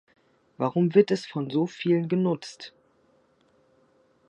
Warum wird es von so vielen genutzt?